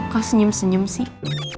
kok senyum senyum sih